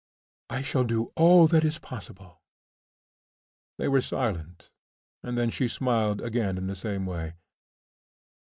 "I shall do all that is possible." They were silent, and then she smiled again in the same way.